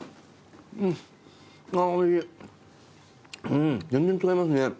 うん全然違いますね。